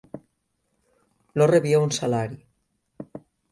No rebia un salari.